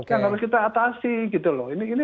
yang harus kita atasi gitu loh ini